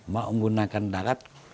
mau menggunakan darat